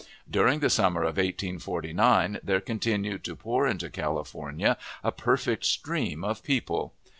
During the summer of 1849 there continued to pour into California a perfect stream of people.